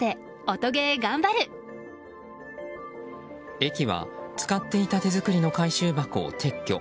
駅は使っていた手作りの回収箱を撤去。